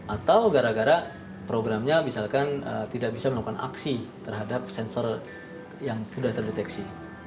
atau gara gara programnya misalkan tidak bisa melakukan aksi terhadap sensor yang sudah terdeteksi